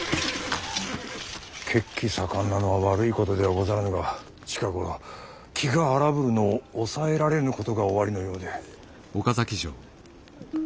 血気盛んなのは悪いことではござらぬが近頃気が荒ぶるのを抑えられぬことがおありのようで。